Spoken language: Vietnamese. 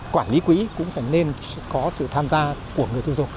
quản lý quỹ cũng phải nên có sự tham gia của người tiêu dùng